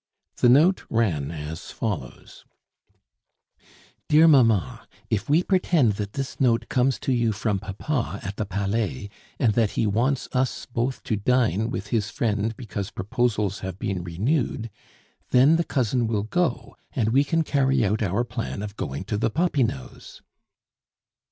The note ran as follows: "DEAR MAMMA, If we pretend that this note comes to you from papa at the Palais, and that he wants us both to dine with his friend because proposals have been renewed then the cousin will go, and we can carry out our plan of going to the Popinots."